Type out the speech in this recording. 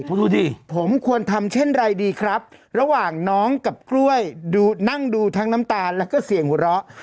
คุณดูดิผมควรทำเช่นไรดีครับระหว่างน้องกับกล้วยนั่งดูทั้งน้ำตาลแล้วก็เสียงหัวเราะ